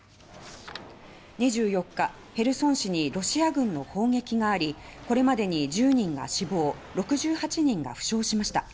２４日、ヘルソン市にロシア軍の砲撃がありこれまでに１０人が死亡６８人が負傷しました。